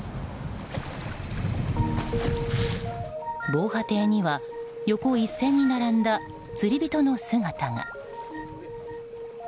防波堤には横一線に並んだ釣り人の姿が。